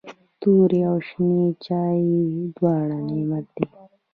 توري او شنې چايي دواړه نعمت دی.